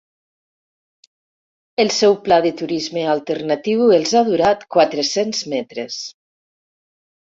El seu pla de turisme alternatiu els ha durat quatre-cents metres.